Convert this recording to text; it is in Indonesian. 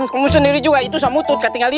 kamu sendiri juga itu sama utut kating kali